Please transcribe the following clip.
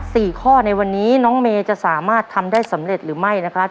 สี่ข้อในวันนี้น้องเมย์จะสามารถทำได้สำเร็จหรือไม่นะครับ